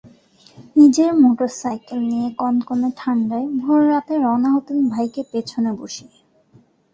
নিজের মোটরসাইকেল নিয়ে কনকনে ঠান্ডায় ভোররাতে রওনা হতেন ভাইকে পেছনে বসিয়ে।